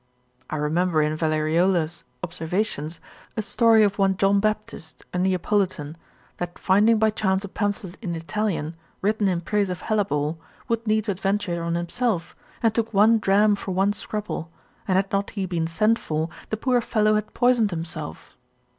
I remember in Valleriola's observations, a story of one John Baptist a Neapolitan, that finding by chance a pamphlet in Italian, written in praise of hellebore, would needs adventure on himself, and took one dram for one scruple, and had not he been sent for, the poor fellow had poisoned himself.